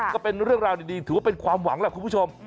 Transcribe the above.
ก็เป็นเรื่องราวดีถือว่าเป็นความหวังแหละคุณผู้ชม